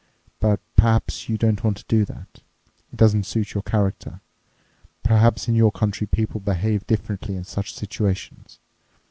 But perhaps you don't want to do that. It doesn't suit your character. Perhaps in your country people behave differently in such situations.